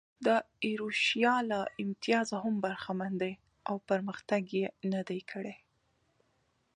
د ایروشیا له امتیازه هم برخمن دي او پرمختګ یې نه دی کړی.